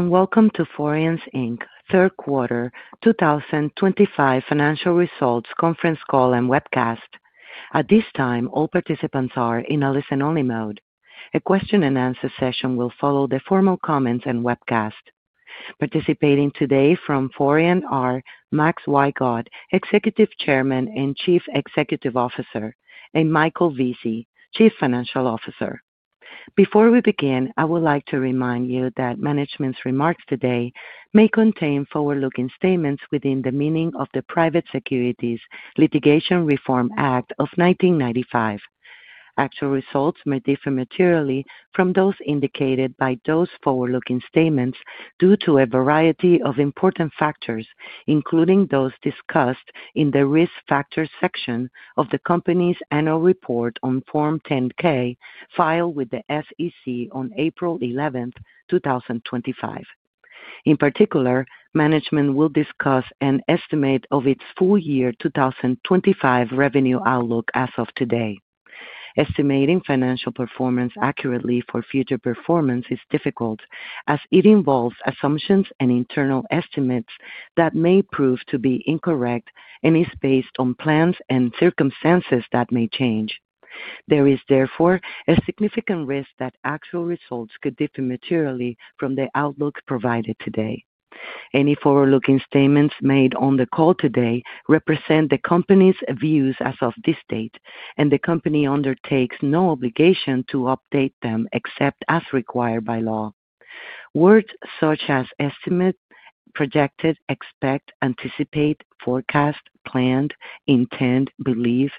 Welcome to Forian Inc's third quarter 2025 financial results conference call and webcast. At this time, all participants are in a listen-only mode. A question-and-answer session will follow the formal comments and webcast. Participating today from Forian are Max Wygod, Executive Chairman and Chief Executive Officer, and Michael Vesey, Chief Financial Officer. Before we begin, I would like to remind you that management's remarks today may contain forward-looking statements within the meaning of the Private Securities Litigation Reform Act of 1995. Actual results may differ materially from those indicated by those forward-looking statements due to a variety of important factors, including those discussed in the risk factors section of the company's annual report on Form 10-K filed with the SEC on April 11th, 2025. In particular, management will discuss an estimate of its full-year 2025 revenue outlook as of today. Estimating financial performance accurately for future performance is difficult, as it involves assumptions and internal estimates that may prove to be incorrect and is based on plans and circumstances that may change. There is, therefore, a significant risk that actual results could differ materially from the outlook provided today. Any forward-looking statements made on the call today represent the company's views as of this date, and the company undertakes no obligation to update them except as required by law. Words such as estimate, projected, expect, anticipate, forecast, planned, intend, believe,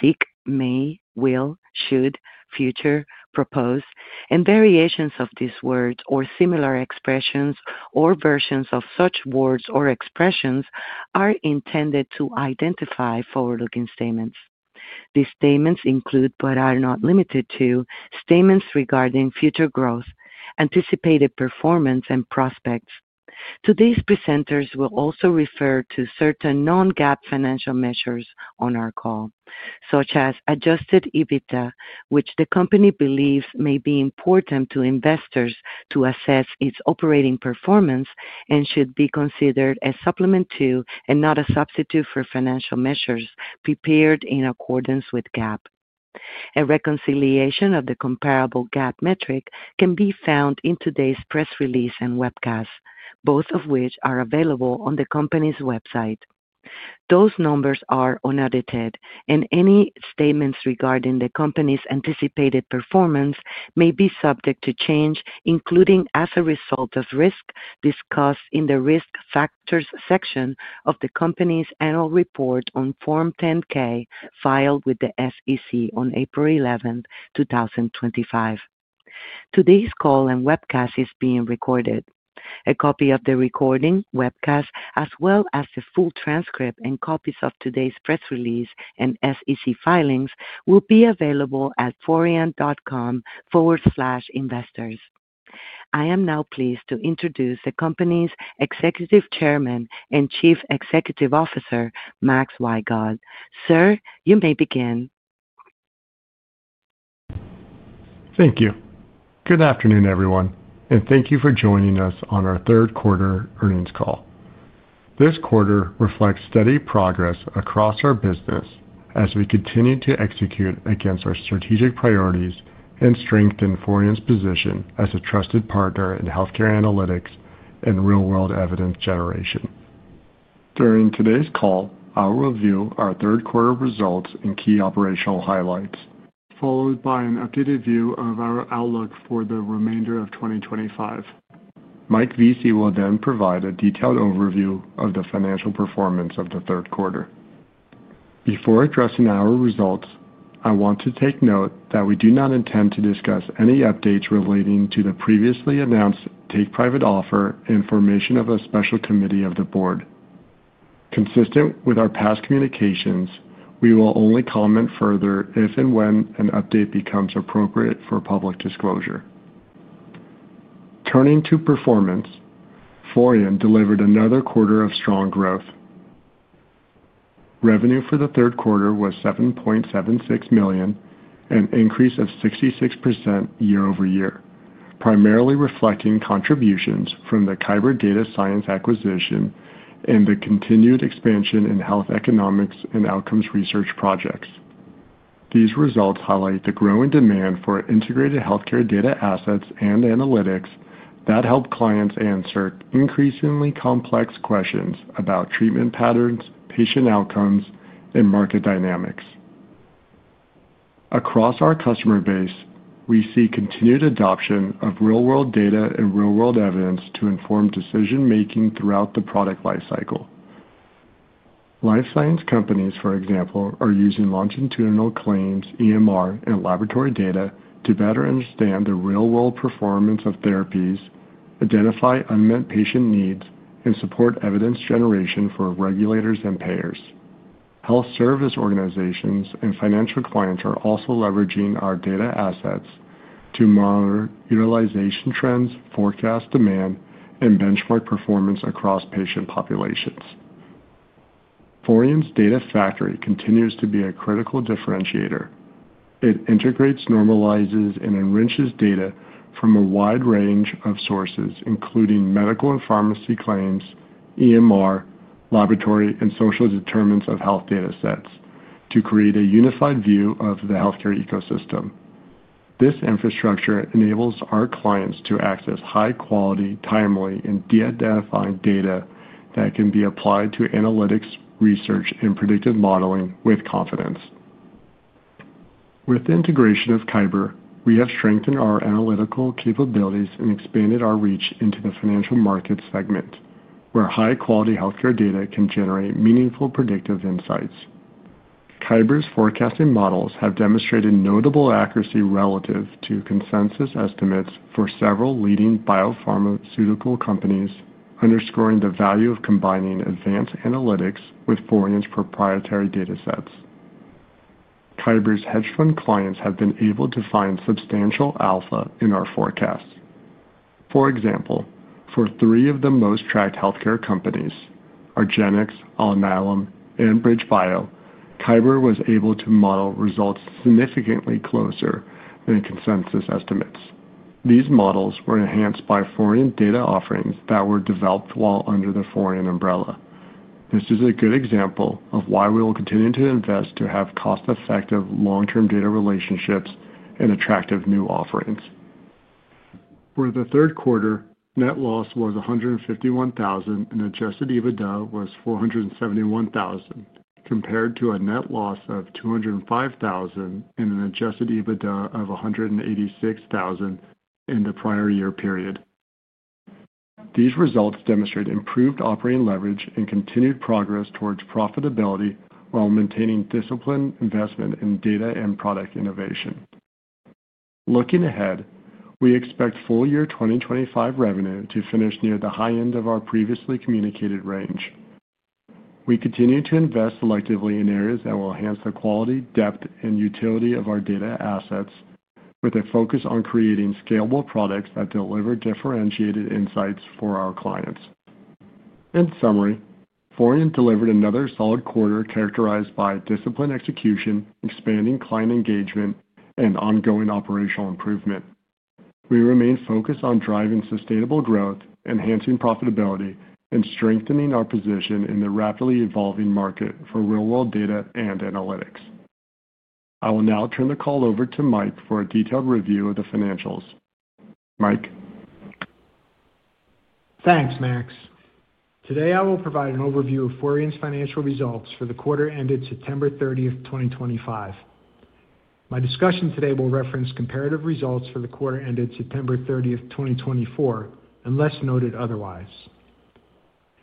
seek, may, will, should, future, propose, and variations of these words or similar expressions or versions of such words or expressions are intended to identify forward-looking statements. These statements include, but are not limited to, statements regarding future growth, anticipated performance, and prospects. Today's presenters will also refer to certain non-GAAP financial measures on our call, such as adjusted EBITDA, which the company believes may be important to investors to assess its operating performance and should be considered a supplement to and not a substitute for financial measures prepared in accordance with GAAP. A reconciliation of the comparable GAAP metric can be found in today's press release and webcast, both of which are available on the company's website. Those numbers are unedited, and any statements regarding the company's anticipated performance may be subject to change, including as a result of risk discussed in the risk factors section of the company's annual report on Form 10-K filed with the SEC on April 11th, 2025. Today's call and webcast is being recorded. A copy of the recording, webcast, as well as the full transcript and copies of today's press release and SEC filings will be available at forian.com › investors. I am now pleased to introduce the company's Executive Chairman and Chief Executive Officer, Max Wygod. Sir, you may begin. Thank you. Good afternoon, everyone, and thank you for joining us on our third quarter earnings call. This quarter reflects steady progress across our business as we continue to execute against our strategic priorities and strengthen Forian's position as a trusted partner in healthcare analytics and real-world evidence generation. During today's call, I'll review our third quarter results and key operational highlights, followed by an updated view of our outlook for the remainder of 2025. Mike Vesey will then provide a detailed overview of the financial performance of the third quarter. Before addressing our results, I want to take note that we do not intend to discuss any updates relating to the previously announced take-private offer information of a special committee of the board. Consistent with our past communications, we will only comment further if and when an update becomes appropriate for public disclosure. Turning to performance, Forian delivered another quarter of strong growth. Revenue for the third quarter was $7.76 million, an increase of 66% year-over-year, primarily reflecting contributions from the Kyber Data Science acquisition and the continued expansion in health economics and outcomes research projects. These results highlight the growing demand for integrated healthcare data assets and analytics that help clients answer increasingly complex questions about treatment patterns, patient outcomes, and market dynamics. Across our customer base, we see continued adoption of real-world data and real-world evidence to inform decision-making throughout the product lifecycle. Life science companies, for example, are using longitudinal claims, EMR, and laboratory data to better understand the real-world performance of therapies, identify unmet patient needs, and support evidence generation for regulators and payers. Health service organizations and financial clients are also leveraging our data assets to monitor utilization trends, forecast demand, and benchmark performance across patient populations. Forian's Data Factory continues to be a critical differentiator. It integrates, normalizes, and enriches data from a wide range of sources, including medical and pharmacy claims, EMR, laboratory, and social determinants of health data sets, to create a unified view of the healthcare ecosystem. This infrastructure enables our clients to access high-quality, timely, and de-identified data that can be applied to analytics, research, and predictive modeling with confidence. With the integration of Kyber, we have strengthened our analytical capabilities and expanded our reach into the financial markets segment, where high-quality healthcare data can generate meaningful predictive insights. Kyber's forecasting models have demonstrated notable accuracy relative to consensus estimates for several leading biopharmaceutical companies, underscoring the value of combining advanced analytics with Forian's proprietary data sets. Kyber's hedge fund clients have been able to find substantial alpha in our forecasts. For example, for three of the most tracked healthcare companies, argenx, Alnylam, and BridgeBio, Kyber was able to model results significantly closer than consensus estimates. These models were enhanced by Forian data offerings that were developed while under the Forian umbrella. This is a good example of why we will continue to invest to have cost-effective long-term data relationships and attractive new offerings. For the third quarter, net loss was $151,000 and adjusted EBITDA was $471,000, compared to a net loss of $205,000 and an adjusted EBITDA of $186,000 in the prior year period. These results demonstrate improved operating leverage and continued progress towards profitability while maintaining disciplined investment in data and product innovation. Looking ahead, we expect full-year 2025 revenue to finish near the high end of our previously communicated range. We continue to invest selectively in areas that will enhance the quality, depth, and utility of our data assets, with a focus on creating scalable products that deliver differentiated insights for our clients. In summary, Forian delivered another solid quarter characterized by disciplined execution, expanding client engagement, and ongoing operational improvement. We remain focused on driving sustainable growth, enhancing profitability, and strengthening our position in the rapidly evolving market for real-world data and analytics. I will now turn the call over to Mike for a detailed review of the financials. Mike? Thanks, Max. Today, I will provide an overview of Forian's financial results for the quarter ended September 30th, 2025. My discussion today will reference comparative results for the quarter ended September 30th, 2024, unless noted otherwise.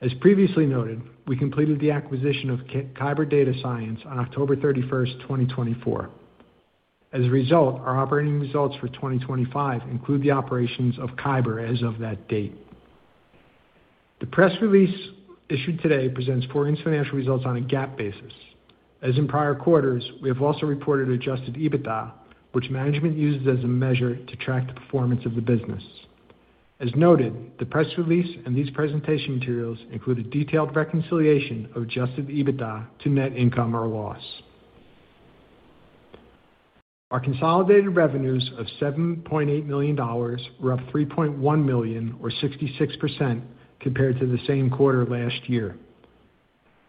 As previously noted, we completed the acquisition of Kyber Data Science on October 31st, 2024. As a result, our operating results for 2025 include the operations of Kyber as of that date. The press release issued today presents Forian's financial results on a GAAP basis. As in prior quarters, we have also reported adjusted EBITDA, which management uses as a measure to track the performance of the business. As noted, the press release and these presentation materials include a detailed reconciliation of adjusted EBITDA to net income or loss. Our consolidated revenues of $7.8 million were up $3.1 million, or 66%, compared to the same quarter last year.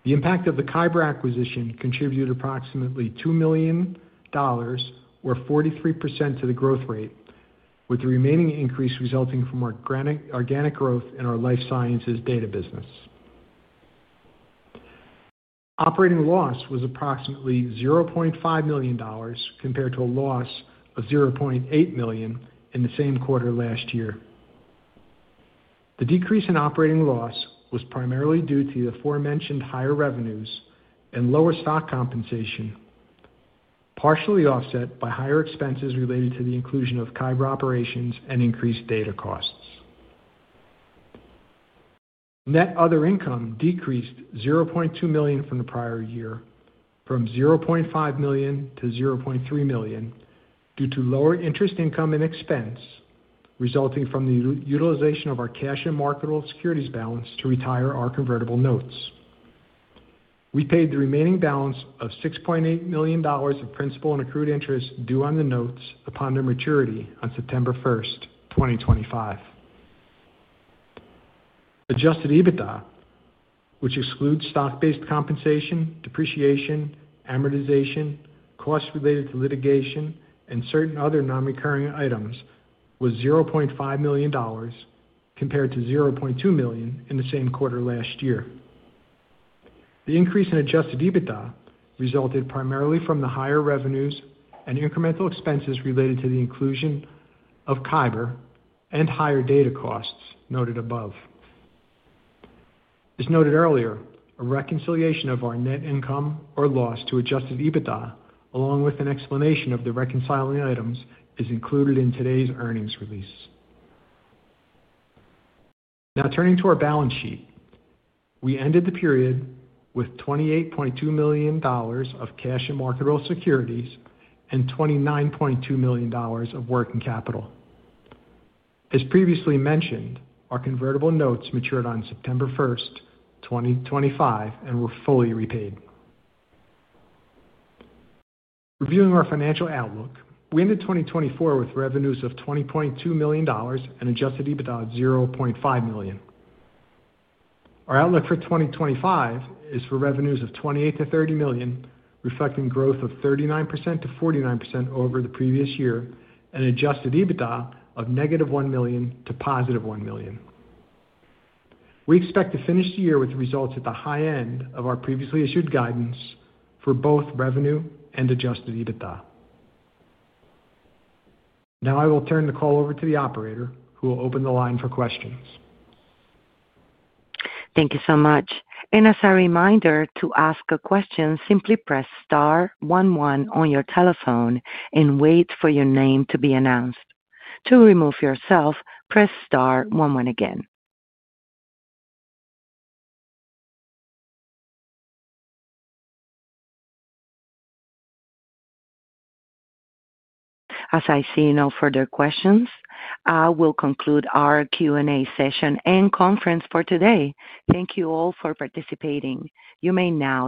The impact of the Kyber acquisition contributed approximately $2 million, or 43%, to the growth rate, with the remaining increase resulting from our organic growth in our life sciences data business. Operating loss was approximately $0.5 million, compared to a loss of $0.8 million in the same quarter last year. The decrease in operating loss was primarily due to the aforementioned higher revenues and lower stock compensation, partially offset by higher expenses related to the inclusion of Kyber operations and increased data costs. Net other income decreased $0.2 million from the prior year, from $0.5 million to $0.3 million, due to lower interest income and expense resulting from the utilization of our cash and marketable securities balance to retire our convertible notes. We paid the remaining balance of $6.8 million of principal and accrued interest due on the notes upon their maturity on September 1st, 2025. Adjusted EBITDA, which excludes stock-based compensation, depreciation, amortization, costs related to litigation, and certain other non-recurring items, was $0.5 million, compared to $0.2 million in the same quarter last year. The increase in adjusted EBITDA resulted primarily from the higher revenues and incremental expenses related to the inclusion of Kyber and higher data costs noted above. As noted earlier, a reconciliation of our net income or loss to adjusted EBITDA, along with an explanation of the reconciling items, is included in today's earnings release. Now, turning to our balance sheet, we ended the period with $28.2 million of cash and marketable securities and $29.2 million of working capital. As previously mentioned, our convertible notes matured on September 1st, 2025, and were fully repaid. Reviewing our financial outlook, we ended 2024 with revenues of $20.2 million and adjusted EBITDA of $0.5 million. Our outlook for 2025 is for revenues of $28 million-$30 million, reflecting growth of 39%-49% over the previous year, and adjusted EBITDA of -$1 million to +$1 million. We expect to finish the year with results at the high end of our previously issued guidance for both revenue and adjusted EBITDA. Now, I will turn the call over to the operator, who will open the line for questions. Thank you so much. As a reminder, to ask a question, simply press star one one on your telephone and wait for your name to be announced. To remove yourself, press star one one again. As I see no further questions, I will conclude our Q&A session and conference for today. Thank you all for participating. You may now.